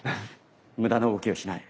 無駄な動きをしない。